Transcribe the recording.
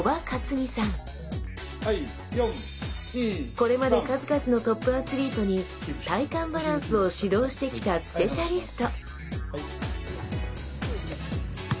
これまで数々のトップアスリートに体幹バランスを指導してきたスペシャリスト！